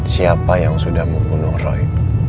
siapa yang sudah membunuh roy